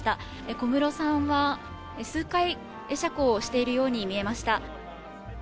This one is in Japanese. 小室さんは数回、会釈をしているように見えました。